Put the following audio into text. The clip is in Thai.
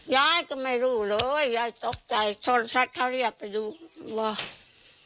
ยายก็ไม่รู้เลยยายตกใจโทรศัพท์เขาเรียกไปดูว่า